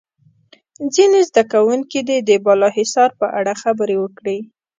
ځینې زده کوونکي دې د بالا حصار په اړه خبرې وکړي.